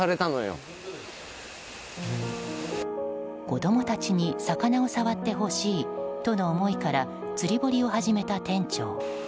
子供たちに魚を触ってほしいとの思いから釣り堀を始めた店長。